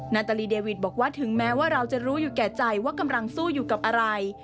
นาตาลีเดวิทบอกว่าถึงแม้ว่าเราจะรู้อยู่แก่ใจว่ากำลังสู้อยู่กับอะไร